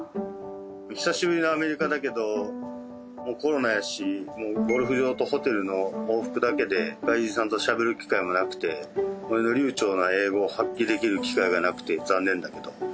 久しぶりのアメリカだけどもうコロナやしもうゴルフ場とホテルの往復だけで外国人さんとしゃべる機会もなくて俺の流ちょうな英語を発揮できる機会がなくて残念だけど。